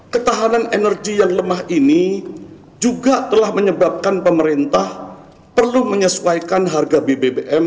ketahanan energi yang lemah ini juga telah menyebabkan pemerintah perlu menyesuaikan harga bbbm